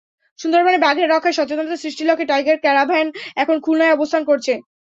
সুন্দরবনের বাঘের রক্ষায় সচেতনতা সৃষ্টির লক্ষ্যে টাইগার ক্যারাভ্যান এখন খুলনায় অবস্থান করছে।